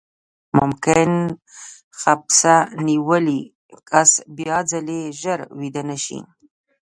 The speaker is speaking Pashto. ممکن خپسه نیولی کس بیاځلې ژر ویده نه شي.